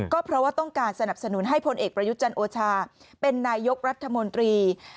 ก็เพราะว่าต้องการสนับสนุนให้พลเอกประยุทธ์จันทร์โอชาเป็นนายกรัฐมนตรี